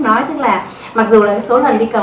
nói tức là mặc dù là số lần đi cầu